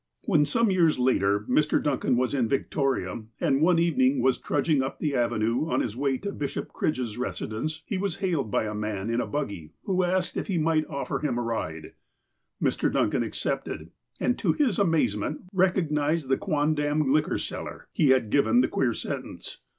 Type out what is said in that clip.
When, some years later, Mr. Duncan was in Victoria, and one evening was trudging up the avenue on his way to Bishop Cridge's residence, he was hailed by a man in a buggy, who asked if he might offer him a ride. Mr. Duncan accepted, and to his amazement recognized the quondam liquor seller he had given the queer sentence.